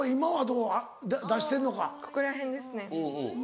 ここら辺ですね。